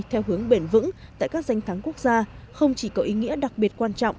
theo hướng bền vững tại các danh thắng quốc gia không chỉ có ý nghĩa đặc biệt quan trọng